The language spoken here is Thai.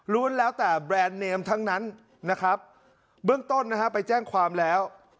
แล้วแต่แบรนด์เนมทั้งนั้นนะครับเบื้องต้นนะฮะไปแจ้งความแล้ว